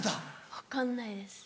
分かんないです